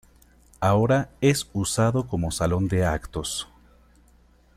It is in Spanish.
Ahora es usado como salón de actos